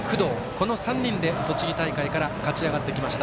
この３人で栃木大会から勝ち上がってきました